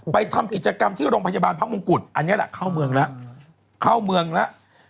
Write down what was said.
ไปทำกิจกรรมที่โรงพยาบาลพรรคมงกุฎอันเนี่ยแหละเข้าเมืองแล้ว